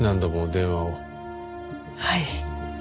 はい。